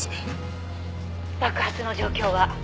「爆発の状況は？」